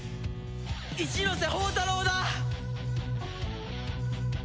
一ノ瀬宝太郎だ！